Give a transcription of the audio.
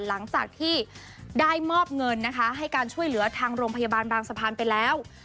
หลังจากที่ได้มอบเงินนะคะให้การช่วยเหลือทางโรงพยาบาลบางสะพานไปแล้ว